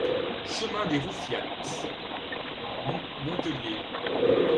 Chemin des Roufiats, Montélier